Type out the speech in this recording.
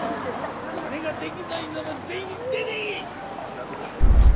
それができないなら全員出てけ！